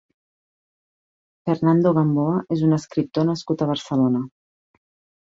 Fernando Gamboa és un escriptor nascut a Barcelona.